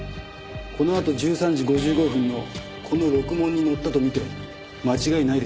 このあと１３時５５分のこのろくもんに乗ったと見て間違いないでしょう。